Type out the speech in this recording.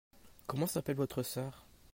Comment s'appelle votre sœur ?